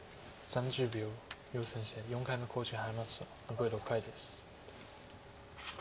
残り６回です。